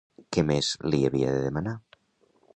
Què més li havia de demanar?